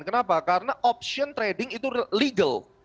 kenapa karena option trading itu legal